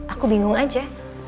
aku bingung aja